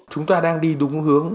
chúng ta đang đi đúng hướng